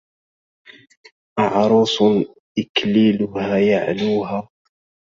أعروس إكليلها يعلوها